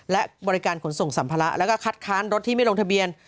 และบริการขนส่งสัมภาระแล้วก็คัดค้านรถที่ไม่ลงทะเบียน